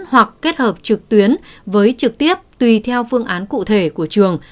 hoặc kết hợp trực tuyến với trực tiếp tùy theo phương án cụ thể của trường